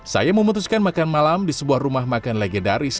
saya memutuskan makan malam di sebuah rumah makan legendaris